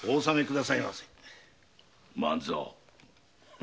万蔵。